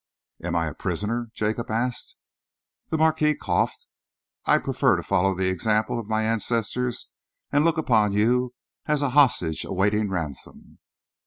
"Am I a prisoner?" Jacob asked. The Marquis coughed. "I prefer to follow the example of my ancestors and look upon you as a hostage awaiting ransom."